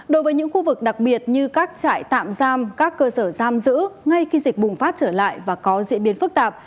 đối với những khu vực đặc biệt như các trại tạm giam các cơ sở giam giữ ngay khi dịch bùng phát trở lại và có diễn biến phức tạp